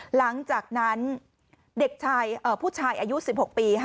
หลังจากนั้นเด็กผู้ชายอายุ๑๖ปี